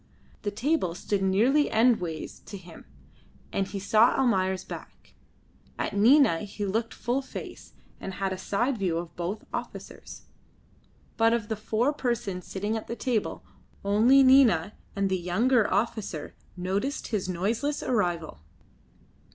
The table stood nearly endways to him, and he saw Almayer's back; at Nina he looked full face, and had a side view of both officers; but of the four persons sitting at the table only Nina and the younger officer noticed his noiseless arrival.